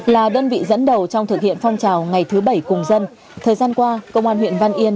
là đơn vị dẫn đầu trong thực hiện phong trào ngày thứ bảy cùng dân thời gian qua công an huyện văn yên